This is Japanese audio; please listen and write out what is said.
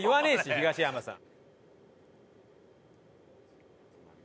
東山さん。